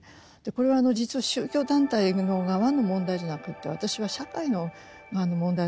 これは実は宗教団体の側の問題じゃなくて私は社会の側の問題だと思ってるんです。